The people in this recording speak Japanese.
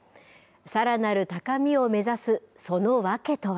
さらなる高みを目指す、その訳とは。